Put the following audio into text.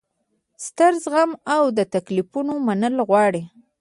ستر زغم او د تکلیفونو منل غواړي.